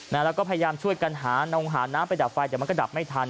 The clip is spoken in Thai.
แล้วก็พยายามช่วยกันหานงหาน้ำไปดับไฟแต่มันก็ดับไม่ทัน